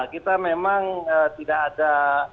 kita memang tidak ada